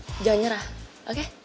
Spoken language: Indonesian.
jangan nyerah oke